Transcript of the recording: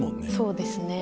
そうですね。